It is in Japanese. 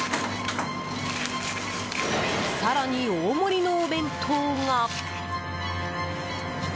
更に大盛りのお弁当が。